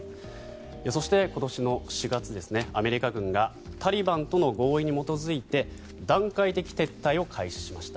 そして今年の４月ですねアメリカ軍がタリバンとの合意に基づいて段階的撤退を開始しました。